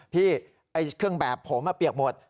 พี่เครื่องแบบผมเปียกหมด